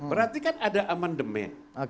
berarti kan ada amandemen